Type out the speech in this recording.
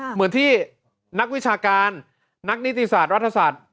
เหมือนที่นักวิชาการนักนิติศาสตร์รัฐศาสตร์